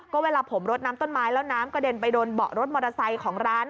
ก็เวลาผมรดน้ำต้นไม้แล้วน้ำกระเด็นไปโดนเบาะรถมอเตอร์ไซค์ของร้าน